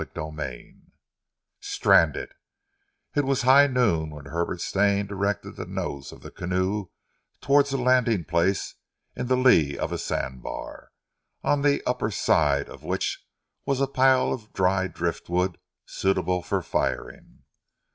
CHAPTER VII STRANDED It was high noon when Hubert Stane directed the nose of the canoe towards a landing place in the lee of a sand bar, on the upperside of which was a pile of dry driftwood suitable for firing.